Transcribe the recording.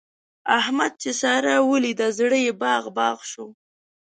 احمد چې سارا وليده؛ زړه يې باغ باغ شو.